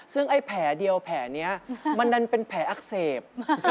ซึ่งไอ้แผลเดียวแผลนี้มันดันเป็นแผลอักเสบ